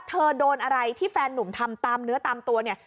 โดนอะไรที่แฟนหนุ่มทำตามเนื้อตามตัวเนี่ย